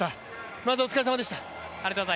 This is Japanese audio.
まずお疲れ様でした。